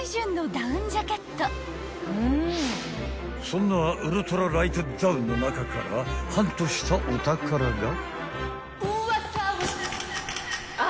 ［そんなウルトラライトダウンの中からハントしたお宝が］